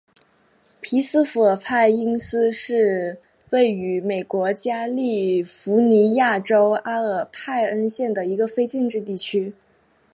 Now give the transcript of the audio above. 皮斯富尔派因斯是位于美国加利福尼亚州阿尔派恩县的一个非建制地区。